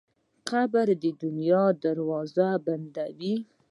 قبر د دنیا دروازې بندوي.